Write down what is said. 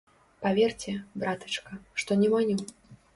Паверце, братачка, што не маню.